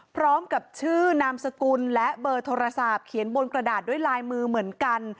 พร้อมกับชื่อนามสกุลและเบอร์โทรศัพท์เขียนบนกระดาษด้วยลายมือเหมือนกัน